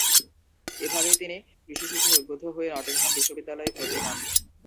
এভাবেই তিনি কৃষি শিক্ষায় উদ্বুদ্ধ হয়ে নটিংহ্যাম বিশ্ববিদ্যালয়ে ভর্তি হন।